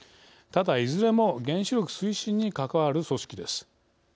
ただ、いずれも原子力推進に関わる組織です。